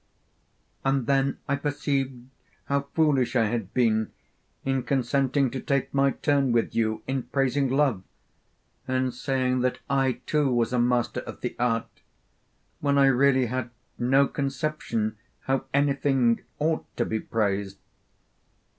And then I perceived how foolish I had been in consenting to take my turn with you in praising love, and saying that I too was a master of the art, when I really had no conception how anything ought to be praised.